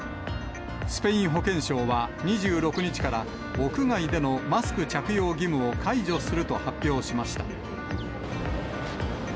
スペイン保健省は２６日から、屋外でのマスク着用義務を解除すると発表しました。